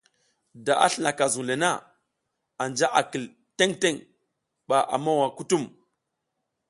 Da a slinaka zuŋ le na, anja a kil teŋ teŋ, ba a mowa kutum.